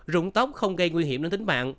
rụng tóc không gây nguy hiểm đến tính mạng